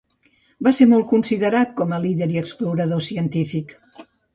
Va ser molt considerat com a líder i explorador científic.